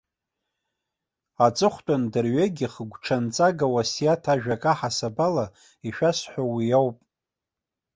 Аҵыхәтәан дырҩегьых гәҽанҵага-уасиаҭ ажәак аҳасабала ишәасҳәо уи ауп.